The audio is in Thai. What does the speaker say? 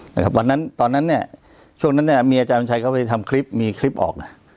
เนี่ยครับตอนนั้นเนี่ยช่วงนั้นเนี่ยเมียอาจารย์มันช่ายเข้าไปทำคลิปมาคลิปออก